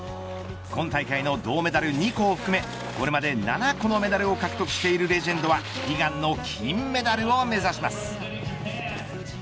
今大会の銅メダル２個を含めこれまで７個のメダルを獲得しているレジェンドは悲願の金メダルを目指します。